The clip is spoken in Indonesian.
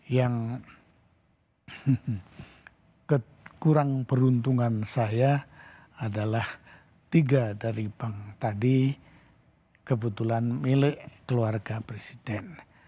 yang kekurang peruntungan saya adalah tiga dari bank tadi kebetulan milik keluarga presiden